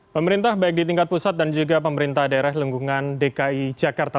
pemerintah baik di tingkat pusat dan juga pemerintah daerah lengkungan dki jakarta